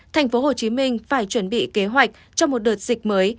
thành phố hồ chí minh phải chuẩn bị kế hoạch cho một đợt dịch mới